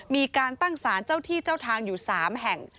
มีการตั้งสารเจ้าที่เจ้าทางอยู่๓แห่ง